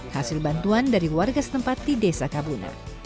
hasil bantuan dari warga setempat di desa kabuna